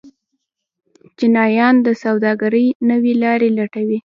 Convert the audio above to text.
چینایان د سوداګرۍ نوې لارې لټوي.